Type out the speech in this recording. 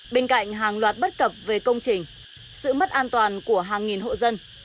bên cạnh hàng loạt bất cập về công trình sự mất an toàn của hàng nghìn hộ dân